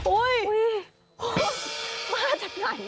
โอ้ยมาจากไหนอ่ะ